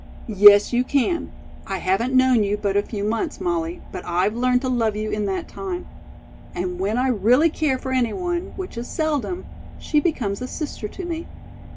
"Yes, you can. I haven't known you but a few months, Molly, but I've learned to love you in that time. And when I really care for any one, which is seldom, she becomes a sister to me.